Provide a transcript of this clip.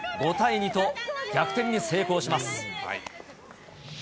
５対２と、逆転に成功します。